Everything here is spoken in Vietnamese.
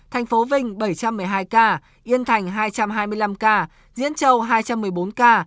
thành phố vinh bảy trăm một mươi hai ca yên thành hai trăm hai mươi năm ca diễn châu hai trăm một mươi bốn ca